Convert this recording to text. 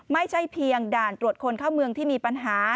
ไม่ใช่เพียงด่านตรวจคนเข้าเมืองที่มีปัญหา